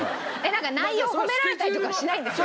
内容を褒められたりとかはしないんですか？